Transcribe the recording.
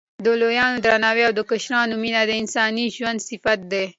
د لویانو درناوی او د کشرانو مینه د انساني ژوند صفت دی.